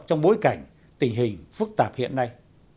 trong bối cảnh tình hình phức tạp hiện nay